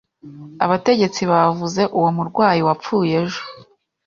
Abategetsi bavuze uwo murwayi wapfuye ejo